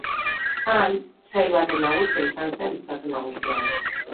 Han sail baten nagusia izan zen Estatu Nagusian.